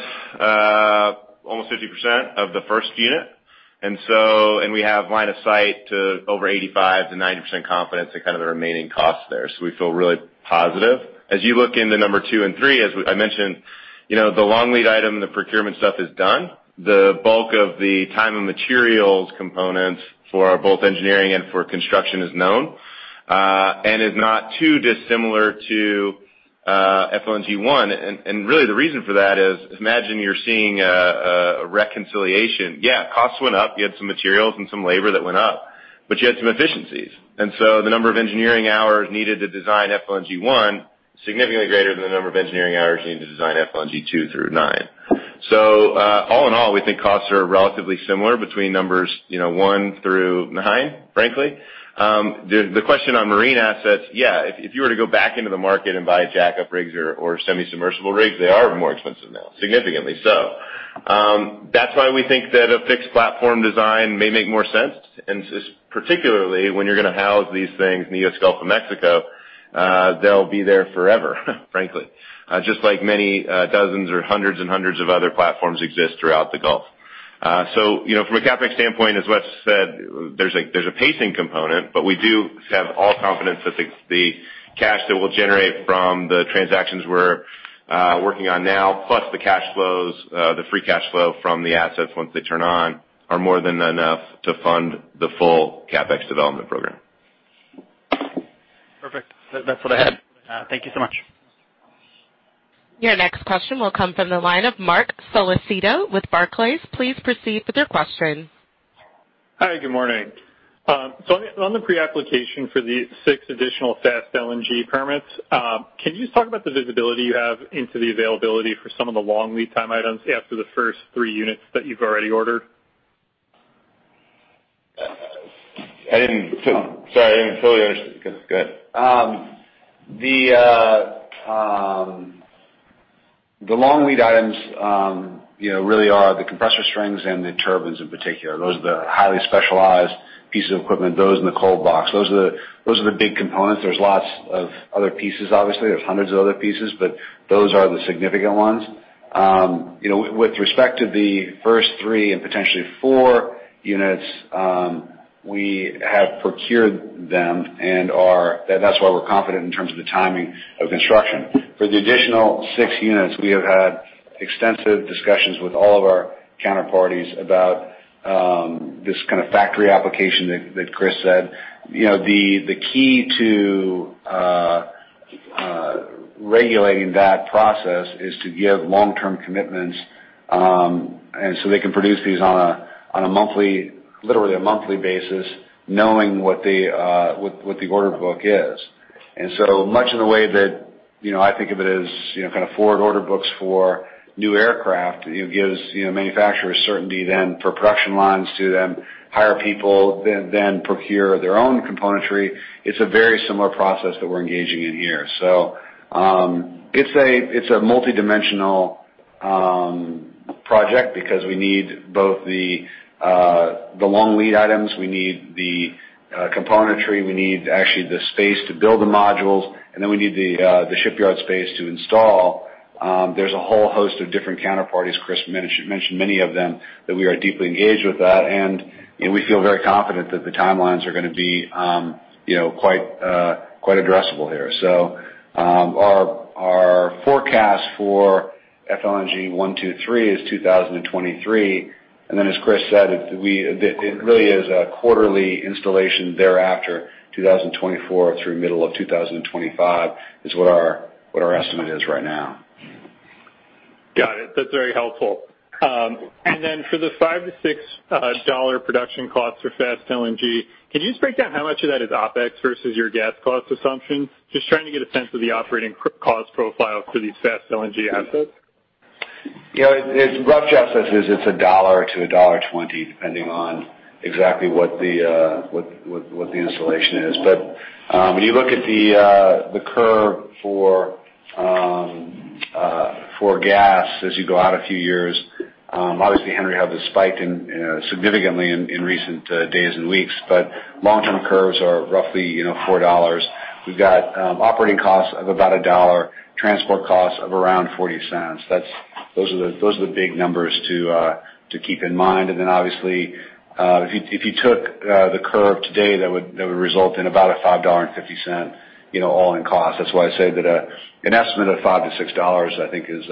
almost 50% of the first unit. And we have line of sight to over 85%-90% confidence in kind of the remaining costs there. So we feel really positive. As you look in the number two and three, as I mentioned, the long lead item, the procurement stuff is done. The bulk of the time and materials components for both engineering and for construction is known and is not too dissimilar to FLNG one. And really, the reason for that is imagine you're seeing a reconciliation. Yeah, costs went up. You had some materials and some labor that went up. But you had some efficiencies. The number of engineering hours needed to design FLNG one is significantly greater than the number of engineering hours you need to design FLNG two through nine. All in all, we think costs are relatively similar between numbers one through nine, frankly. The question on marine assets, yeah, if you were to go back into the market and buy jackup rigs or semi-submersible rigs, they are more expensive now, significantly so. That's why we think that a fixed platform design may make more sense. Particularly when you're going to house these things in the East Gulf of Mexico, they'll be there forever, frankly, just like many dozens or hundreds and hundreds of other platforms exist throughout the Gulf. From a CapEx standpoint, as Wes said, there's a pacing component. But we do have all confidence that the cash that we'll generate from the transactions we're working on now, plus the cash flows, the free cash flow from the assets once they turn on, are more than enough to fund the full CapEx development program. Perfect. That's what I had. Thank you so much. Your next question will come from the line of Marc Solecitto with Barclays. Please proceed with your question. Hi. Good morning, so on the pre-application for the six additional Fast LNG permits, can you talk about the visibility you have into the availability for some of the long lead time items after the first three units that you've already ordered? Sorry, I didn't fully understand. Go ahead. The long lead items really are the compressor strings and the turbines in particular. Those are the highly specialized pieces of equipment. Those in the cold box. Those are the big components. There's lots of other pieces, obviously. There's hundreds of other pieces. But those are the significant ones. With respect to the first three and potentially four units, we have procured them. And that's why we're confident in terms of the timing of construction. For the additional six units, we have had extensive discussions with all of our counterparties about this kind of factory application that Chris said. The key to regulating that process is to give long-term commitments so they can produce these on a literally a monthly basis, knowing what the order book is. And so much in the way that I think of it as kind of forward order books for new aircraft gives manufacturers certainty then for production lines to then hire people, then procure their own componentry. It's a very similar process that we're engaging in here. So it's a multidimensional project because we need both the long lead items. We need the componentry. We need actually the space to build the modules. And then we need the shipyard space to install. There's a whole host of different counterparties. Chris mentioned many of them that we are deeply engaged with that. And we feel very confident that the timelines are going to be quite addressable here. So our forecast for FLNG one, two, three is 2023. And then, as Chris said, it really is a quarterly installation thereafter, 2024 through middle of 2025 is what our estimate is right now. Got it. That's very helpful. And then for the $5-$6 production costs for Fast LNG, can you just break down how much of that is OpEx versus your gas cost assumptions? Just trying to get a sense of the operating cost profile for these Fast LNG assets. Yeah. Rough guess is it's $1-$1.20 depending on exactly what the installation is. But when you look at the curve for gas as you go out a few years, obviously, Henry has spiked significantly in recent days and weeks. But long-term curves are roughly $4. We've got operating costs of about $1, transport costs of around $0.40. Those are the big numbers to keep in mind. And then, obviously, if you took the curve today, that would result in about a $5.50 all-in cost. That's why I say that an estimate of $5-$6, I think, is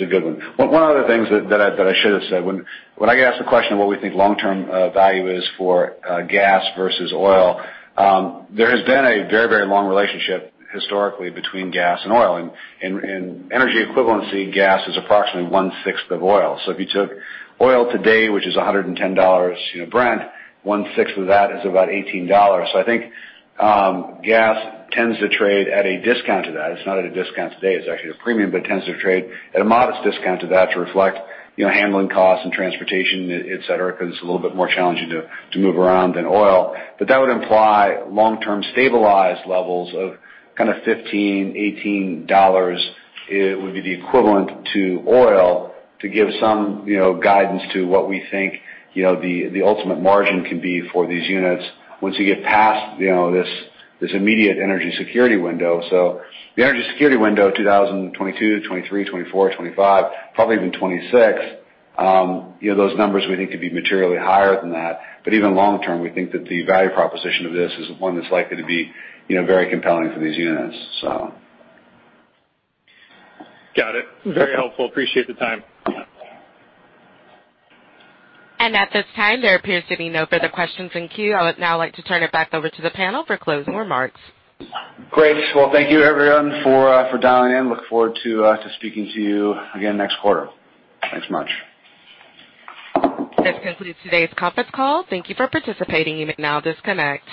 a good one. One of the things that I should have said, when I get asked the question of what we think long-term value is for gas versus oil, there has been a very, very long relationship historically between gas and oil. And in energy equivalency, gas is approximately one sixth of oil. So if you took oil today, which is $110 Brent, one sixth of that is about $18. So I think gas tends to trade at a discount to that. It's not at a discount today. It's actually a premium, but it tends to trade at a modest discount to that to reflect handling costs and transportation, etc., because it's a little bit more challenging to move around than oil. But that would imply long-term stabilized levels of kind of $15-$18 would be the equivalent to oil to give some guidance to what we think the ultimate margin can be for these units once you get past this immediate energy security window. So the energy security window, 2022, 2023, 2024, 2025, probably even 2026, those numbers we think could be materially higher than that. But even long-term, we think that the value proposition of this is one that's likely to be very compelling for these units, so. Got it. Very helpful. Appreciate the time. At this time, there appears to be no further questions in queue. I would now like to turn it back over to the panel for closing remarks. Great. Well, thank you, everyone, for dialing in. Look forward to speaking to you again next quarter. Thanks much. This concludes today's conference call. Thank you for participating. You may now disconnect.